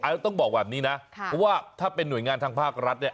แล้วต้องบอกแบบนี้นะเพราะว่าถ้าเป็นหน่วยงานทางภาครัฐเนี่ย